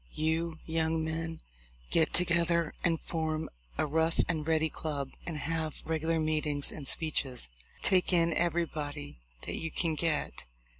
You young men get together and form a Rough and Ready club, and have regular meetings and speeches. Take in everybody that you can get